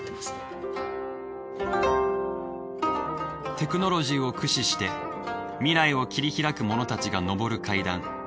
テクノロジーを駆使して未来を切り拓く者たちが昇る階段。